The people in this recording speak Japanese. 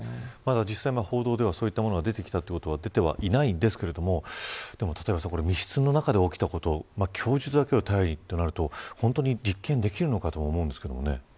実際、報道ではそういったものが出てきたことは出ていませんが密室の中で起きたことを供述だけを頼りにとなると本当に立件できるのかとも思うんですけどね。